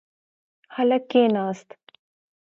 هلک کښېناست.